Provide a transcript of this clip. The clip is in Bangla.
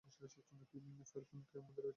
ফ্যালকোন আমাকে ঐ টাকা দিতে বাধ্য।